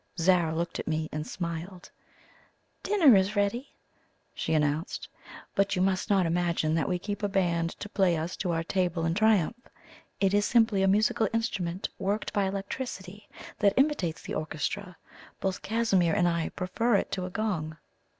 Zara looked at me and smiled. "Dinner is ready!" she announced; "but you must not imagine that we keep a band to play us to our table in triumph. It is simply a musical instrument worked by electricity that imitates the orchestra; both Casimir and I prefer it to a gong!"